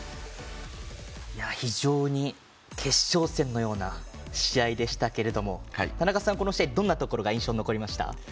非常に決勝戦のような試合でしたけれども田中さん、この試合どんなところが印象に残りました？